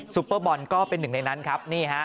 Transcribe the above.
ปเปอร์บอลก็เป็นหนึ่งในนั้นครับนี่ฮะ